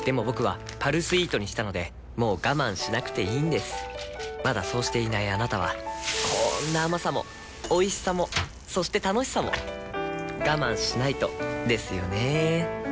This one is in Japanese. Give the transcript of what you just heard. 僕は「パルスイート」にしたのでもう我慢しなくていいんですまだそうしていないあなたはこんな甘さもおいしさもそして楽しさもあちっ。